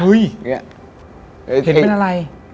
เห็นเป็นอะไร